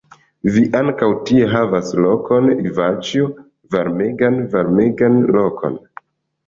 Vi ankaŭ tie havas lokon, Ivaĉjo, varmegan, varmegan lokon!